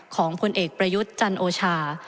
ผลเอกประยุทธ์จันโอชา